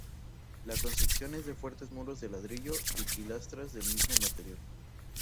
La construcción es de fuertes muros de ladrillo y pilastras del mismo material.